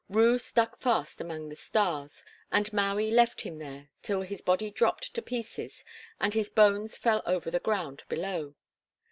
Ru stuck fast among the stars, and Maui left him there till his body dropped to pieces and his bones fell over the ground below.